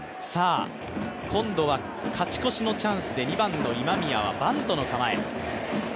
今度は勝ち越しのチャンスで２番の今宮はバントの構え。